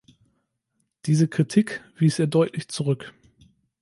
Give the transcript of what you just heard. Diese Kritik wies er deutlich zurück.